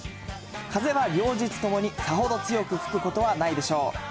風は両日ともにさほど強く吹くことはないでしょう。